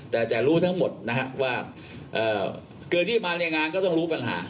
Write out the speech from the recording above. แต่จะรู้ทั้งหมดนะฮะว่าเกินที่มาในงานก็ต้องรู้ปัญหา